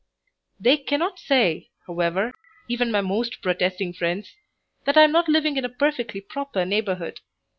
They cannot say, however, even my most protesting friends, that I am not living in a perfectly proper neighborhood.